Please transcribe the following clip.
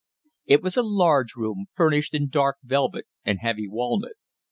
It was a large room furnished in dark velvet and heavy walnut.